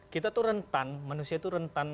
kita tuh rentan manusia itu rentan